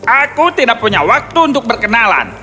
aku tidak punya waktu untuk berkenalan